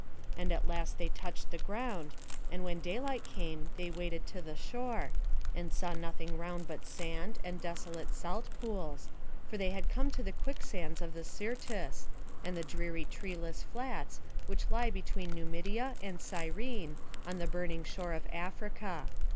And at last they touched the ground, and when daylight came they waded to the shore; and saw nothing round but sand, and desolate salt pools; for they had come to the quicksands of the Syrtis, and the dreary treeless flats, which lie between Numidia and Cyrene, on the burning shore of Africa.